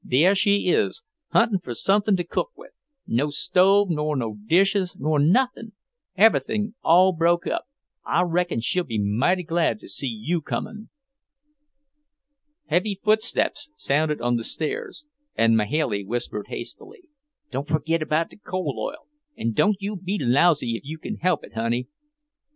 There she is, huntin' for somethin' to cook with; no stove nor no dishes nor nothin' everything all broke up. I reckon she'll be mighty glad to see you comin'." Heavy footsteps sounded on the stairs, and Mahailey whispered hastily, "Don't forgit about the coal oil, and don't you be lousy if you can help it, honey."